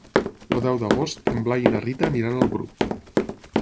El deu d'agost en Blai i na Rita aniran al Bruc.